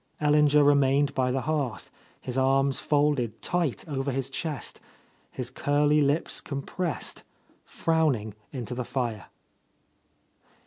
Ellinger remained by the hearth, his arms folded tight over his chest, his curly lips compressed, frowning into the fire.